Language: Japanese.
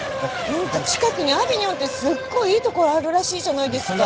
何か近くにアビニョンってすごいいいところあるらしいじゃないですか。